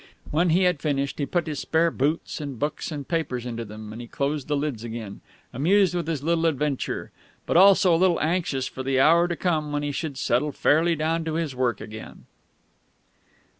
When he had finished, he put his spare boots and books and papers into them; and he closed the lids again, amused with his little adventure, but also a little anxious for the hour to come when he should settle fairly down to his work again.